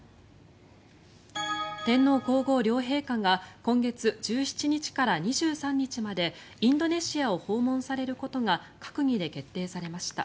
天皇・皇后両陛下が今月１７日から２３日までインドネシアを訪問されることが閣議で決定されました。